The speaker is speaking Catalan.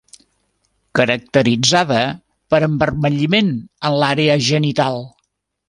Caracteritzada per envermelliment en l'àrea genital.